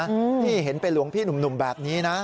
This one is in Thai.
นี่เห็นเป็นหลวงพี่หนุ่มแบบนี้นะ